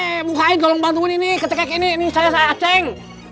eh mukanya tolong bantuin ini kecek kek ini ini saya saya aceng